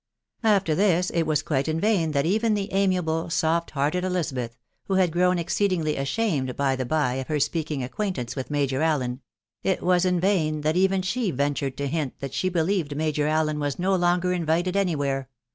After this it was quite in vain that even the amiable, soft hearted Elizabeth, — who had grown exceedingly ashamed, by the by, of her speaking acquaintance with Major Allen, — it was in vain that even she ventured to hint that she believed Major Allen was no longer invited any where